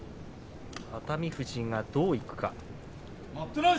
熱海富士がどういくか。